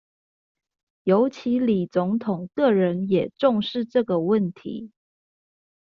尤其李總統個人也重視這個問題